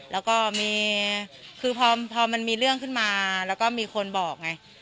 แล้วก็มีคือพอมันมีเรื่องขึ้นมาแล้วก็มีคนบอกไง